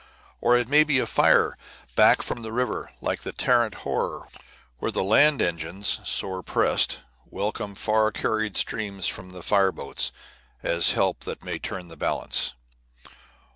Or it may be a fire back from the river, like the Tarrant horror, where the land engines, sore pressed, welcome far carried streams from the fire boats as help that may turn the balance.